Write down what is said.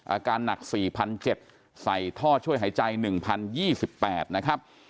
อาการหนัก๔๗๐๐ใส่ท่อช่วยหายใจ๑๐๒๘นะครับ